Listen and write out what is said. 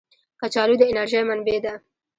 کچالو د انرژۍ منبع ده